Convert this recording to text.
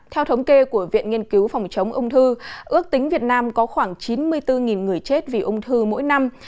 trong bộ phim của viện nghiên cứu phòng chống ung thư ước tính việt nam có khoảng chín mươi bốn người chết vì ung thư mỗi năm